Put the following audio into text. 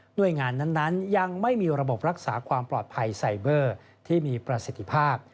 โดยงานนั้นยังไม่มีระบบรักษาความปลอดภัยไซเบอร์ที่มีประสิทธิภาพ